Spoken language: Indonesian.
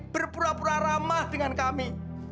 berpura pura ramah dengan kami